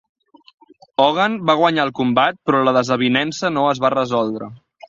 Hogan va guanyar el combat però la desavinença no es va resoldre.